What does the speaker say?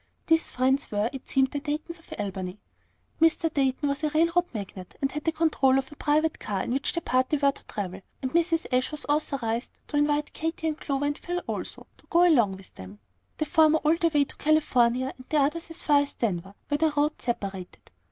These friends were, it seemed, the Daytons of Albany. Mr. Dayton was a railroad magnate, and had the control of a private car in which the party were to travel; and Mrs. Ashe was authorized to invite Katy, and Clover and Phil also, to go along with them, the former all the way to California, and the others as far as Denver, where the roads separated.